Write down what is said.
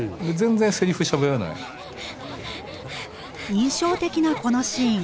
印象的なこのシーン。